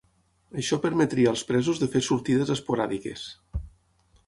Això permetria als presos de fer sortides esporàdiques.